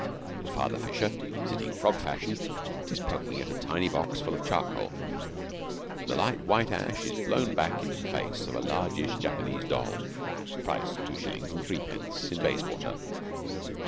The father fisher, sitting frog fashion, is poking at a tiny box full of charcoal, and the light, white ash is blown back into the face of a largish Japanese doll, price two shillings and threepence in Bayswater.